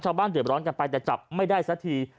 ชาวบ้านเดือดร้อนกันไปแต่จับไม่ได้สักที